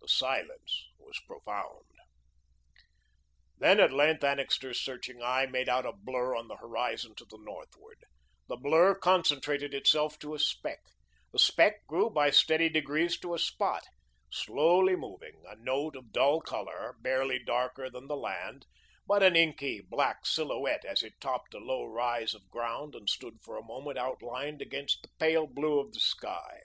The silence was profound. Then, at length, Annixter's searching eye made out a blur on the horizon to the northward; the blur concentrated itself to a speck; the speck grew by steady degrees to a spot, slowly moving, a note of dull colour, barely darker than the land, but an inky black silhouette as it topped a low rise of ground and stood for a moment outlined against the pale blue of the sky.